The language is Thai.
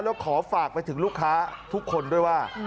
แล้วขอฝากไปถึงลูกค้าทุกคนด้วยว่า